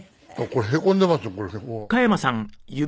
これへこんでますよ